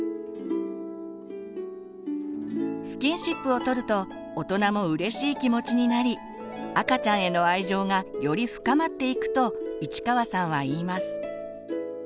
スキンシップを取ると大人もうれしい気持ちになり赤ちゃんへの愛情がより深まっていくと市川さんは言います。